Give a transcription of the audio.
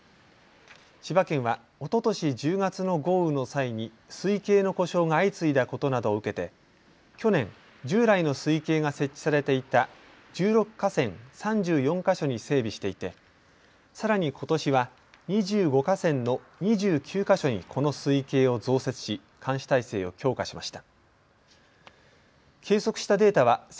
千葉県はおととし１０月の豪雨の際に水位計の故障が相次いだことなどを受けて去年、従来の水位計が設置されていた１６河川、３４か所に整備していて、さらにことしは２５河川の２９か所にこの水位計を増設し、監視体制を強化しました。